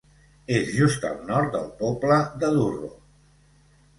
És just al nord del poble de Durro.